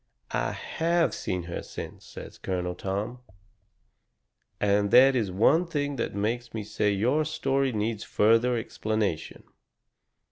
"I HAVE seen her since," says Colonel Tom, "and that is one thing that makes me say your story needs further explanation."